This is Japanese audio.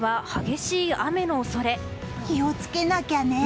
気をつけなきゃね！